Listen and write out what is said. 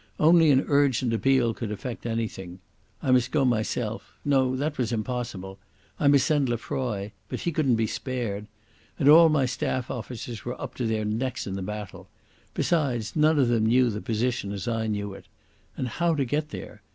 Only an urgent appeal could effect anything.... I must go myself.... No, that was impossible. I must send Lefroy.... But he couldn't be spared. And all my staff officers were up to their necks in the battle. Besides, none of them knew the position as I knew it.... And how to get there?